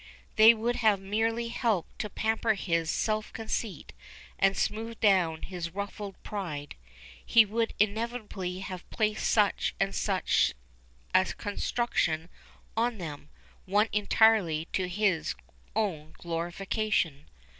They would have merely helped to pamper his self conceit and smooth down his ruffled pride. He would inevitably have placed such and such a construction on them, one entirely to his own glorification.